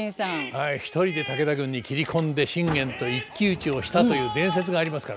はい一人で武田軍に斬り込んで信玄と一騎打ちをしたという伝説がありますからね。